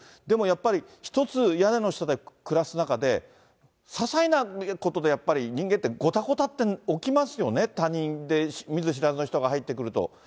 でもやっぱり、一つ屋根の下で暮らす中で、ささいなことで、やっぱり人間って、ごたごたって起きますよね、他人で、見ず知らずの人が入ってくると。